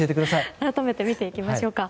改めて見ていきましょう。